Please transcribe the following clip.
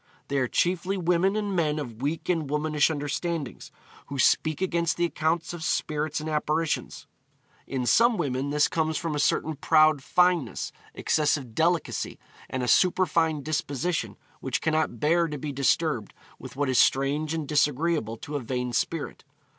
They are chiefly women and men of weak and womanish understandings, who speak against the accounts of spirits and apparitions. In some women this comes from a certain proud fineness, excessive delicacy, and a superfine disposition which cannot bear to be disturbed with what is strange and disagreeable to a vain spirit.'